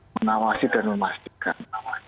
menawasi dan memastikan